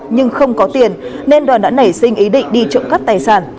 nhưng không có tiền nên đoàn đã nảy sinh ý định đi trộm cắp tài sản